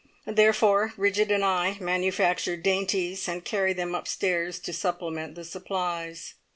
Therefore Bridget and I manufacture dainties, and carry them upstairs to supplement the supplies.